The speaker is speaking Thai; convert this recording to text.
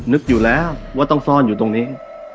นึกอยู่แล้วว่าต้องซ่อนอยู่ตรงนี้